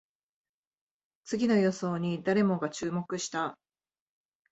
次の予想に誰もが注目した